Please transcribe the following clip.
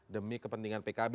demi kepentingan pkb